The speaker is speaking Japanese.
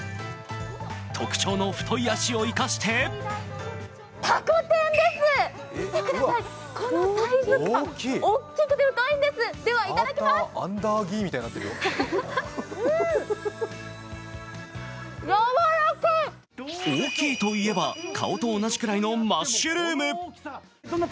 特徴の太い足を生かして大きいといえば、顔と同じくらいのマッシュルーム。